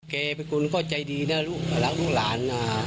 แกพระคุณก็ใจดีเนี่ยรักลูกหลาน